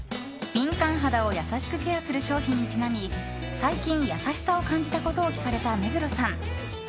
敏感肌を優しくケアする商品にちなみ最近、優しさを感じたことを聞かれた目黒さん。